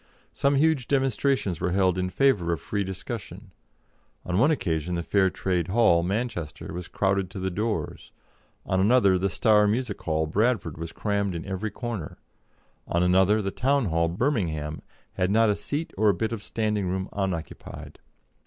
Some huge demonstrations were held in favour of free discussion; on one occasion the Free Trade Hall, Manchester, was crowded to the doors; on another the Star Music Hall, Bradford, was crammed in every corner; on another the Town Hall, Birmingham, had not a seat or a bit of standing room unoccupied.